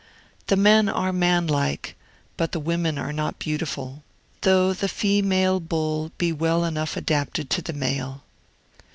The men are manlike, but the women are not beautiful, though the female Bull be well enough adapted to the male.